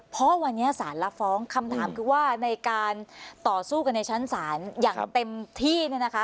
เพราะวันนี้สารรับฟ้องคำถามคือว่าในการต่อสู้กันในชั้นศาลอย่างเต็มที่เนี่ยนะคะ